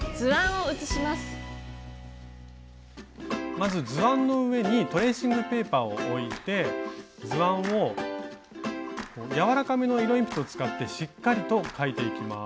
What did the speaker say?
まず図案の上にトレーシングペーパーを置いて図案を軟らかめの色鉛筆を使ってしっかりと描いていきます。